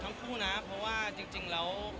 ทั้งคู่นะเพราะว่าจริงแล้ว